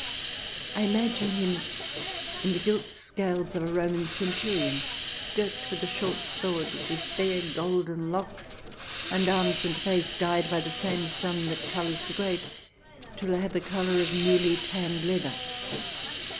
I imagine him in the gilt scales of a Roman centurion, girt with a short sword, with bare golden locks, and arms and face dyed by the same sun that colours the grape, till they have the colour of newly tanned leather.